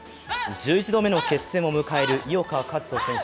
１１度目の決戦を迎える井岡一翔選手。